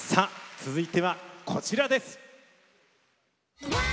続いてはこちらです！